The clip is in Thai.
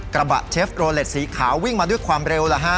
กระบะเชฟโรเล็ตสีขาววิ่งมาด้วยความเร็ว